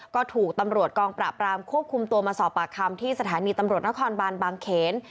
ก็ถูกตำรวจกองปราบรามควบคุมตัวมาสอบปากคำที่สถานีตำรวจนครบานบางเขน